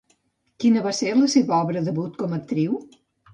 Quina va ser la seva obra debut com a actriu?